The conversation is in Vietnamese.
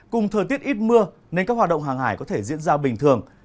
cùng thời tiết ít mưa nên các hoạt động hàng hải có thể diễn ra bình thường